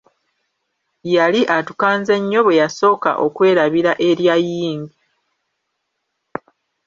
Yali atukanze nnyo bwe yasooka okwerabira erya Ying.